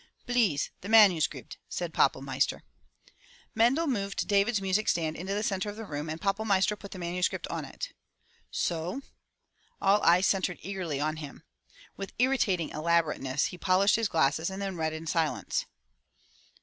"Blease, the manusgribt," said Pappelmeister. Mendel moved David's music stand into the center of the room and Pappelmeister put the manuscript on it. "So!" All eyes centered eagerly on him. With irritating elaborateness he polished his glasses and then read in silence.